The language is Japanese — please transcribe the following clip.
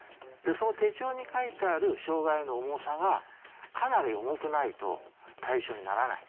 その手帳に書いてある障害の重さがかなり重くないと対象にならない。